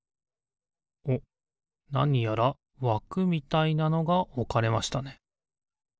なにやらわくみたいなのがおかれましたね。